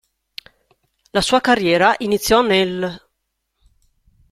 La sua carriera iniziò nell'.